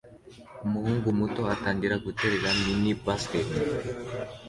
Umuhungu muto atangira guterera mini basket